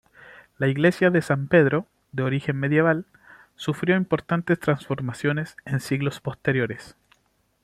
La iglesia de San Pedro, de origen medieval, sufrió importantes transformaciones en siglos posteriores.